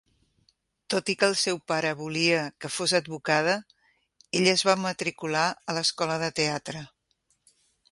Tot i que el seu pare volia que fos advocada, ella es va matricular a l'escola de teatre.